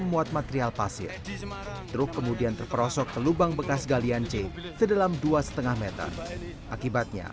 muat material pasir truk kemudian terperosok ke lubang bekas galian c sedalam dua lima m akibatnya